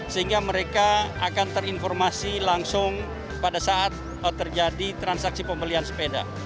sehingga mereka akan terinformasi langsung pada saat terjadi transaksi pembelian sepeda